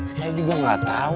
saya juga gak tau